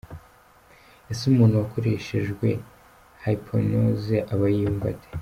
Ese umuntu wakoreshejwe hypnose aba yiyumva ate?.